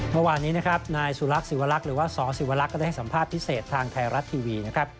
เมื่อวานนี้นะครับนายสุรักษิวลักษ์หรือว่าสสิวลักษ์ก็ได้ให้สัมภาษณ์พิเศษทางไทยรัฐทีวีนะครับ